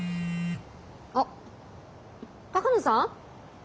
あっ鷹野さん？